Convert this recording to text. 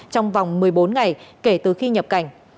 trong vòng một mươi bốn ngày kể từ khi nhập cảnh